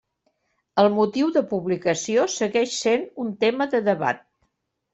El motiu de publicació segueix sent un tema de debat.